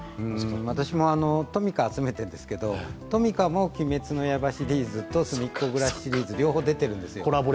私もトミカを集めてるんですが、トミカも「鬼滅の刃」シリーズと「すみっコぐらし」シリーズ両方出てるんですよ。